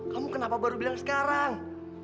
kamu kenapa baru bilang sekarang